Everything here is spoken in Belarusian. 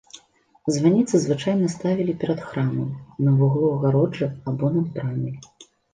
Званіцы звычайна ставілі перад храмам, на вуглу агароджы або над брамай.